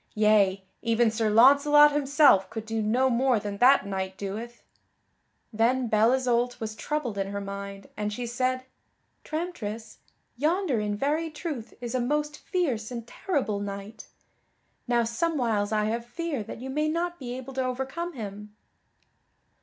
Yea; even Sir Launcelot himself could not do more than that knight doeth." Then Belle Isoult was troubled in her mind, and she said: "Tramtris, yonder in very truth is a most fierce and terrible knight. Now somewhiles I have fear that you may not be able to overcome him."